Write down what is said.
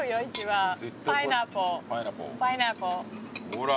ほら。